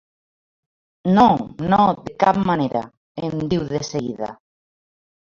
“No, no, de cap manera”, em diu de seguida.